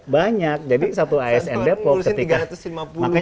banyak jadi satu asn depok ketika